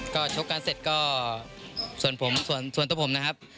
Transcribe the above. ก็ชกการเสร็จก็ส่วนตัวผมนะครับ